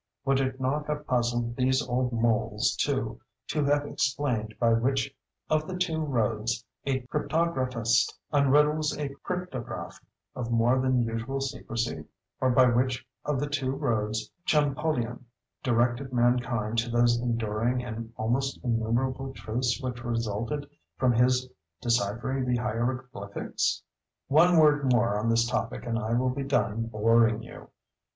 Would it not have puzzled these old moles too, to have explained by which of the two "roads" a cryptographist unriddles a cryptograph of more than usual secrecy, or by which of the two roads Champollion directed mankind to those enduring and almost innumerable truths which resulted from his deciphering the Hieroglyphics. One word more on this topic and I will be done boring you.